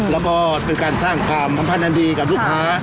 แล้วก็เป็นการสร้างความประมาณดีกับลูกค้า